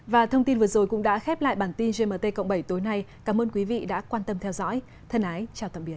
và thông tin vừa rồi cũng đã khép lại bản tin gmt cộng bảy tối nay cảm ơn quý vị đã quan tâm theo dõi thân ái chào tạm biệt